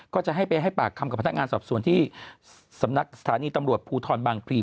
ก็จะให้ไปให้ปากคำกับพนักงานสอบสวนที่สำนักสถานีตำรวจภูทรบางพลี